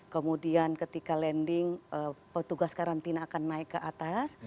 kemudian ketika landing petugas karantina akan naik ke atas